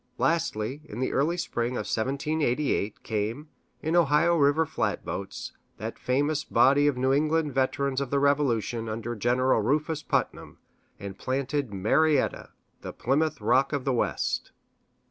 Lastly, in the early spring of 1788, came, in Ohio river flatboats, that famous body of New England veterans of the Revolution, under Gen. Rufus Putnam, and planted Marietta "the Plymouth Rock of the West."